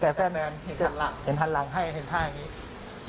แต่แฟนเห็นท่านหลังให้แฟนเห็นท่านหลังให้